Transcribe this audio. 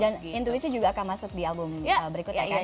dan intuisi juga akan masuk di album berikutnya kan